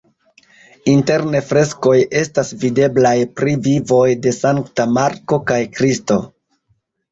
Interne freskoj estas videblaj pri vivoj de Sankta Marko kaj Kristo.